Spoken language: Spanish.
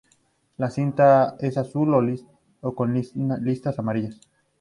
La cinta es azul con listas amarillas.